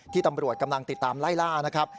ตำรวจกำลังติดตามไล่ล่านะครับ